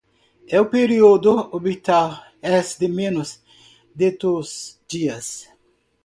El periodo orbital es de menos de dos días.